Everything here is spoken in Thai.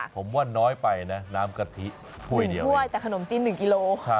ผมว่าน้อยไปนะน้ำกะทิ๑ถ้วยแต่ขนมจีน๑กิโล